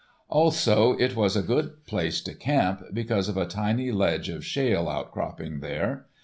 Also, it was a good place to camp, because of a tiny ledge of shale outcropping there.